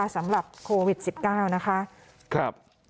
สำหรับโควิด๑๙นะคะ